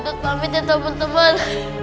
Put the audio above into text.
dodot pamit ya teman teman